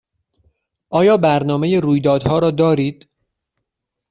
آیا برنامه رویدادها را دارید؟